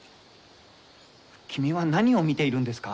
君は何を見ているんですか？